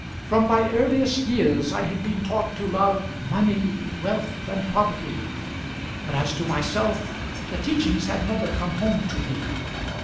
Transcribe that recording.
From my earliest years I had been taught to love money, wealth, and property; but as to myself the teachings had never come home to me.